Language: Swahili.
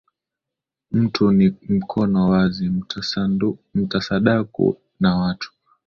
Mtu ni mkono wazi, mtasadaku na watu